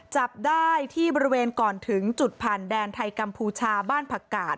จับได้ที่บริเวณก่อนถึงจุดผ่านแดนไทยกัมพูชาบ้านผักกาด